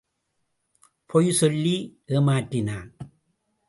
பொய் சொல்லி ஏமாற்றினான்.